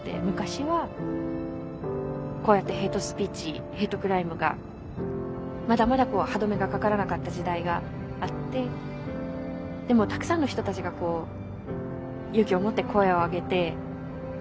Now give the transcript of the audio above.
昔はこうやってヘイトスピーチヘイトクライムがまだまだ歯止めがかからなかった時代があってでもたくさんの人たちが勇気を持って声を上げて。